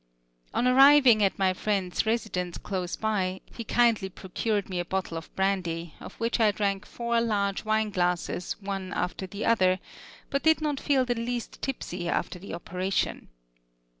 On arriving at my friend's residence close by, he kindly procured me a bottle of brandy, of which I drank four large wine glasses one after the other, but did not feel the least tipsy after the operation.